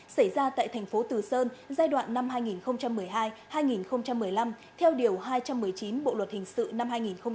xảy ra tại thành phố từ sơn giai đoạn năm hai nghìn một mươi hai hai nghìn một mươi năm theo điều hai trăm một mươi chín bộ luật hình sự năm hai nghìn một mươi năm